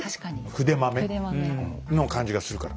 筆まめ。の感じがするから。